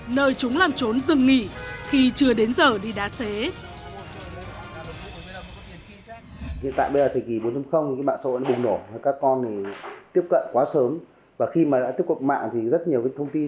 nơi chúng làm trốn dừng nghỉ khi chưa đến giờ đi đánh